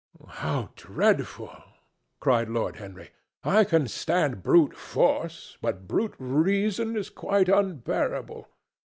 "How dreadful!" cried Lord Henry. "I can stand brute force, but brute reason is quite unbearable.